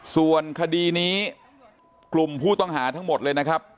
ส่วนคดีนี้กลุ่มผู้ต้องหาทั้งหมดเลยนะครับ